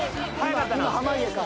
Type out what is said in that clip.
今濱家か。